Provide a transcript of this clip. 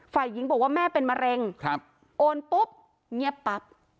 ฝ่ายหญิงบอกว่าแม่เป็นมะเร็งโอนปุ๊บเงียบปั๊บ